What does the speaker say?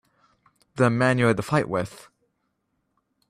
The man you had the fight with.